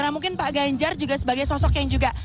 nah mungkin pak ganjar juga sebagai sosok yang juga